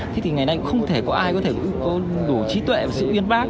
thế thì ngày nay cũng không thể có ai có đủ trí tuệ và sự uyên bác